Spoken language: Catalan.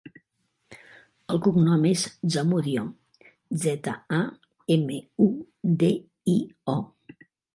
El cognom és Zamudio: zeta, a, ema, u, de, i, o.